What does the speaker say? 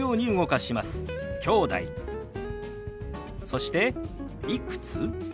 そして「いくつ？」。